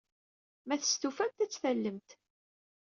Ma testufamt, ad tt-tallemt.